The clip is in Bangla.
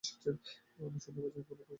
আমি সন্দেহভাজনকে ফলো করছি, স্যার।